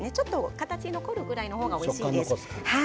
形が残るぐらいの方が食感がおいしいです。